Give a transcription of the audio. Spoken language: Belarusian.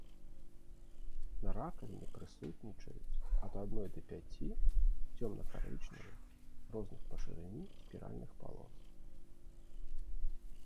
На ракавіне прысутнічаюць ад адной да пяці цёмна-карычневых розных па шырыні спіральных палос.